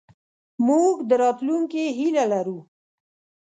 موږ د راتلونکې هیله لرو.